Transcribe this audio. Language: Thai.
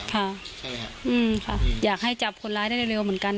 ค่ะใช่ไหมครับค่ะอยากให้จับคนร้ายได้เร็วเหมือนกัน